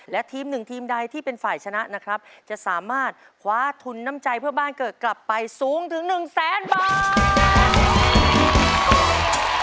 และทีมหนึ่งทีมใดที่เป็นฝ่ายชนะนะครับจะสามารถคว้าทุนน้ำใจเพื่อบ้านเกิดกลับไปสูงถึงหนึ่งแสนบาท